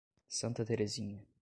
Santa Teresinha